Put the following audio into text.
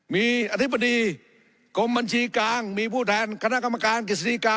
มีอธิบดีกรมบัญชีกลางมีผู้แทนคณะกรรมการกฤษฎีกา